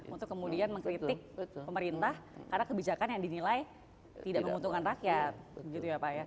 untuk kemudian mengkritik pemerintah karena kebijakan yang dinilai tidak membutuhkan rakyat